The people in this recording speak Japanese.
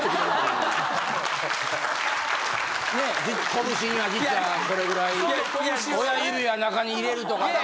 拳には実はこれぐらい親指は中に入れるとか。